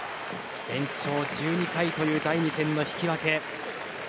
延長１２回という第２戦の引き分け。